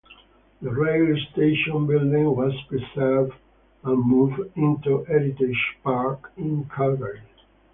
The rail station building was preserved and moved into Heritage Park in Calgary.